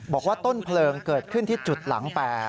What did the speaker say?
บอกว่าต้นเพลิงเกิดขึ้นที่จุดหลัง๘